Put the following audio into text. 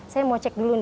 saya mau cek dulu